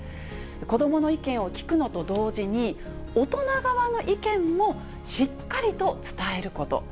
子どもの意見を聞くのと同時に、大人側の意見もしっかりと伝えること。